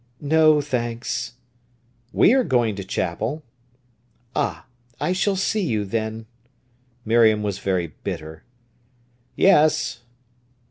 "No, thanks." "We are going to chapel." "Ah, I shall see you, then!" Miriam was very bitter. "Yes."